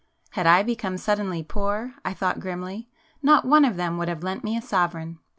Had I become suddenly poor, I thought grimly, not one of them would have lent me a sovereign!